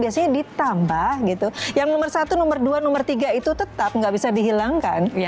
biasanya ditambah gitu yang nomor satu nomor dua nomor tiga itu tetap nggak bisa dihilangkan